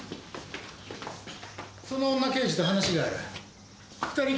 その女刑事と話がある。